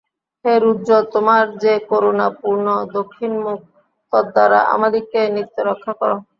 হে রুদ্র, তোমার যে করুণাপূর্ণ দক্ষিণমুখ, তদ্দ্বারা আমাদিগকে নিত্য রক্ষা কর।